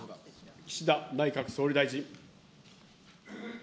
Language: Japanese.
岸田内閣総理大臣。